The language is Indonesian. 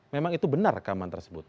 memang itu benar rekaman tersebut